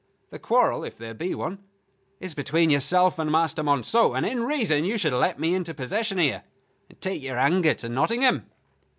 The quarrel, if there be one, is between yourself and Master Monceux; and, in reason, you should let me into possession here, and take your anger to Nottingham."